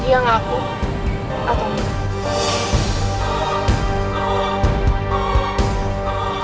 dia ngaku atau enggak